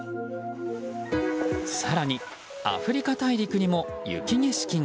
更にアフリカ大陸にも雪景色が。